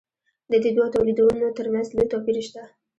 د دې دوو تولیدونو ترمنځ لوی توپیر هم شته.